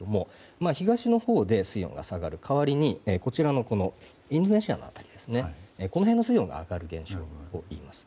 東のほうで水温が下がる代わりにインドネシアの辺りの水温が上がる現象です。